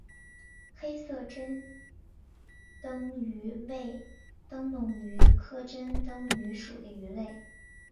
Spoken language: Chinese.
黑色珍灯鱼为灯笼鱼科珍灯鱼属的鱼类。